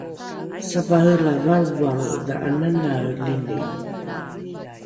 savare la valrovalro dha’ananaelini